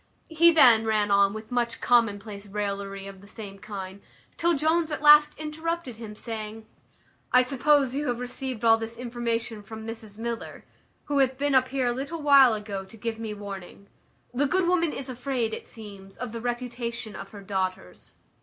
He then ran on with much commonplace raillery of the same kind, till Jones at last interrupted him, saying, "I suppose you have received all this information from Mrs Miller, who hath been up here a little while ago to give me warning. The good woman is afraid, it seems, of the reputation of her daughters."